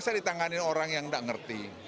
saya ditanganin orang yang tidak mengerti